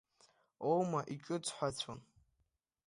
Оума иҿыҵҳәацәон.